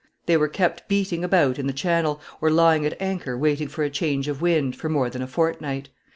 They were kept beating about in the Channel, or lying at anchor waiting for a change of wind, for more than a fortnight.